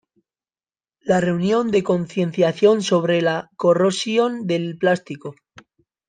La reunión de concienciación sobre la corrosión del plástico...